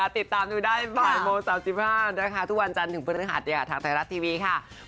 ติดตามดูได้๘๓๕นทุกวันจันทร์ถึงพฤหาที่อาทิตยาทางไทยรัสทีวีค่ะ